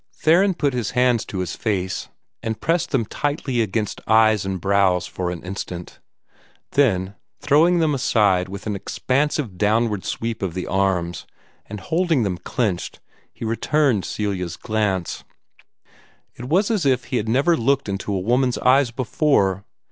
Theron put his hands to his face, and pressed them tightly against eyes and brow for an instant. Then, throwing them aside with an expansive downward sweep of the arms, and holding them clenched, he returned Celia's glance. It was as if he had never looked into a woman's eyes before.